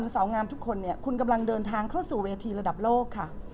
สาวงามทุกคนเนี่ยคุณกำลังเดินทางเข้าสู่เวทีระดับโลกค่ะ